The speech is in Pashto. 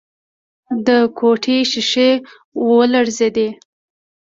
د کوټې ښيښې ولړزېدې.